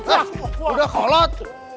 eh udah kolot